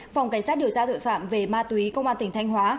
công cánh sát điều tra tội phạm về ma túy công an tỉnh thanh hóa